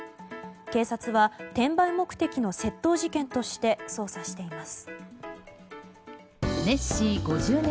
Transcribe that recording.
警察は転売目的の窃盗事件として捜査しています。